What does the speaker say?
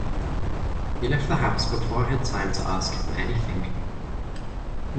He left the house before I had time to ask him anything.